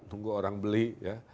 tunggu orang beli ya